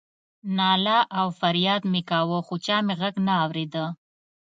ناله او فریاد مې کاوه خو چا مې غږ نه اورېده.